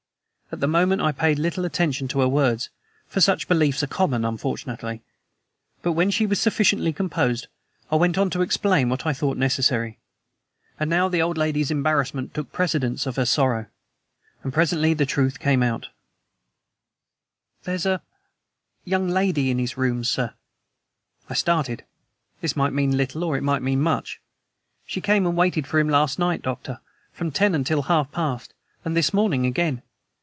At the moment I paid little attention to her words, for such beliefs are common, unfortunately; but when she was sufficiently composed I went on to explain what I thought necessary. And now the old lady's embarrassment took precedence of her sorrow, and presently the truth came out: "There's a young lady in his rooms, sir." I started. This might mean little or might mean much. "She came and waited for him last night, Doctor from ten until half past and this morning again.